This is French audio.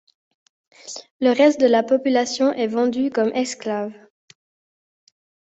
Le reste de la population est vendue comme esclaves.